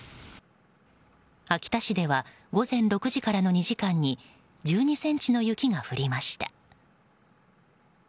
秋田市では午前６時からの２時間に１２ｃｍの雪が降りました。